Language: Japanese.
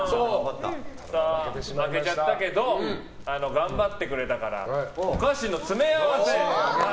負けちゃったけど頑張ってくれたからお菓子の詰め合わせ。